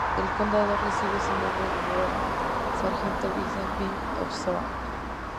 El condado recibe su nombre en honor al sargento Vincent B. Osborne.